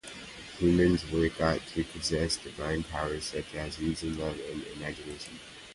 Humans were thought to possess divine powers such as reason, love, and imagination.